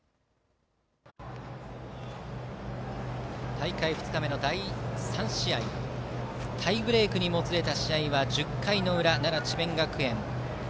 大会２日目の第３試合タイブレークにもつれた試合は１０回の裏奈良・智弁学園